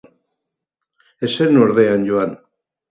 Ez zen, ordea, joan.